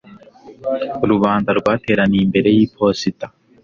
Rubanda rwateraniye imbere yiposita.